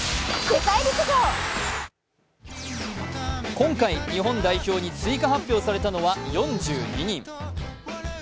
今回、日本代表に追加発表されたのは４２人。